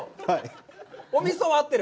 お味噌は合ってる。